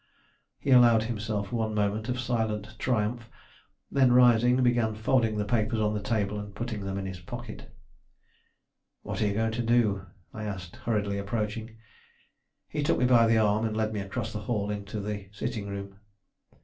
He allowed himself one moment of silent triumph, then rising, began folding the papers on the table and putting them in his pocket. "What are you going to do?" I asked, hurriedly approaching. He took me by the arm and led me across the hall into the sitting room.